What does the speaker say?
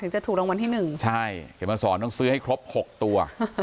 จะถูกรางวัลที่หนึ่งใช่เขียนมาสอนต้องซื้อให้ครบ๖ตัว